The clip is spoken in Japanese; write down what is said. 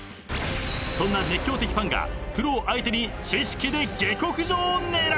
［そんな熱狂的ファンがプロを相手に知識で下克上を狙う！］